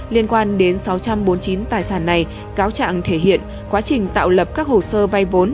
liên quan đến sáu trăm bốn mươi chín tài sản này cáo trạng thể hiện quá trình tạo lập các hồ sơ vay vốn